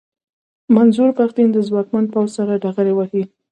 منظور پښتين د ځواکمن پوځ سره ډغرې وهي.